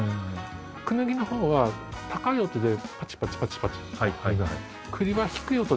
クヌギの方は高い音でパチパチパチパチっていいます。